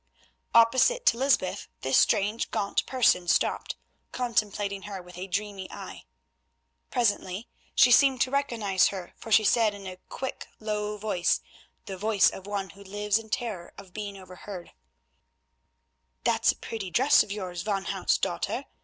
Opposite to Lysbeth this strange, gaunt person stopped, contemplating her with a dreamy eye. Presently she seemed to recognise her, for she said in a quick, low voice, the voice of one who lives in terror of being overheard:— "That's a pretty dress of yours, Van Hout's daughter.